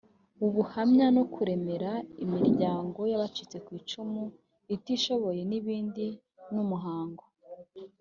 ubuhamya no kuremera imiryango y abacitse ku icumu itishoboye n ibindi ni umuhango